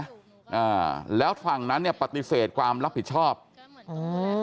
อ่าแล้วฝั่งนั้นเนี้ยปฏิเสธความรับผิดชอบอืม